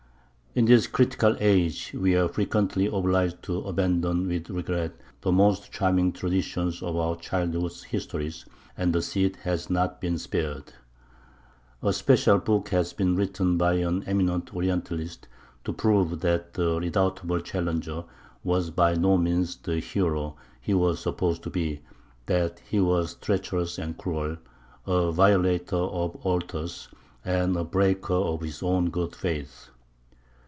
In this critical age we are frequently obliged to abandon with regret the most charming traditions of our childhood's histories; and the Cid has not been spared. A special book has been written by an eminent Orientalist to prove that the redoubtable Challenger was by no means the hero he was supposed to be; that he was treacherous and cruel, a violator of altars, and a breaker of his own good faith.